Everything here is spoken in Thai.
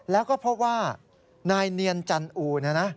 แล้วก็เพราะว่านายเนียนจันทร์อู๋